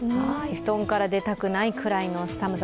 布団から出たくないくらいの寒さ。